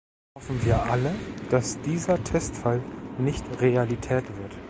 Hoffen wir alle, dass dieser Testfall nicht Realität wird.